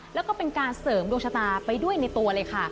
แล้วก็เป็นการเสริมดวงชะตาไปด้วยในตัวเลยค่ะ